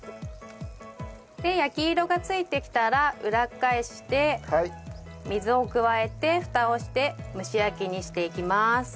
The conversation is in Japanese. で焼き色が付いてきたら裏返して水を加えてフタをして蒸し焼きにしていきます。